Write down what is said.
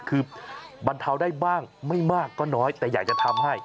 คือบรรเทาได้บ้างไม่มากก็น้อยแต่อยากจะทำให้